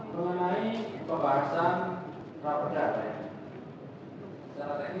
dan ada sebuah nilai